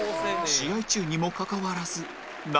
試合中にもかかわらず涙